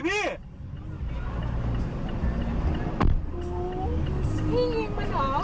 พี่ยิงมันเหรอ